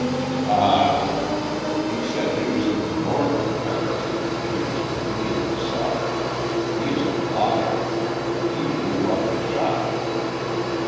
"Ah! He said he was in the north of Paris when he was with me in the south. He is a liar. He blew up the shop."